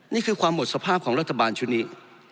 นี่คือความหมดสภาพของรัฐบาลชุดนี้